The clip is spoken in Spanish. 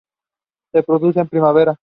Se reproduce en primavera.